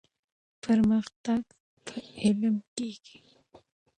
پرمختګ په علم کيږي.